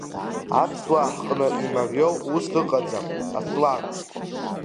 Аԥсуаа ҳҟны имариоу ус ыҟаӡам, Аслан!